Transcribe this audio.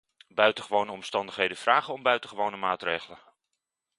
Buitengewone omstandigheden vragen om buitengewone maatregelen.